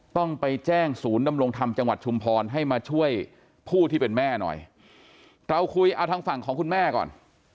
ต้องไปแจ้งศูนย์ดำรงธรรมจังหวัดชุมพรให้มาช่วยผู้ที่เป็นแม่หน่อยเราคุยเอาทางฝั่งของคุณแม่ก่อน